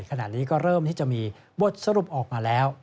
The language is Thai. ขณะนี้ก็เริ่มที่จะมีบทสรุปออกมาแล้ว